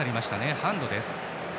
ハンドです。